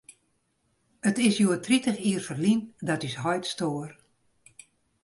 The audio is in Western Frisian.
It is hjoed tritich jier ferlyn dat ús heit stoar.